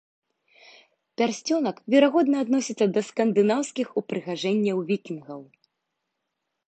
Пярсцёнак верагодна адносіцца да скандынаўскіх упрыгажэнняў вікінгаў.